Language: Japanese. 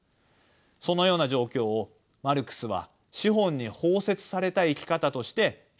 そのような状況をマルクスは資本に包摂された生き方として批判しました。